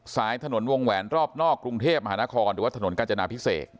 ถนนวงแหวนรอบนอกกรุงเทพมหานครหรือว่าถนนกาจนาพิเศษ